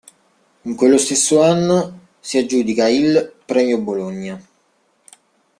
In quello stesso anno si aggiudica il "Premio Bologna".